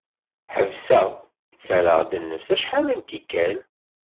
Ḥebbseɣ, ttarraɣ-d nnefs acḥal n tikkal.